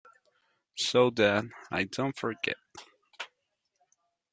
So that I don't forget!